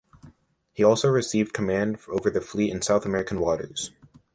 He also received command over the fleet in South American waters.